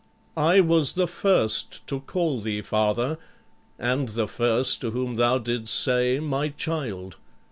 I was the first to call thee father; and the first to whom thou didst say 'my child.'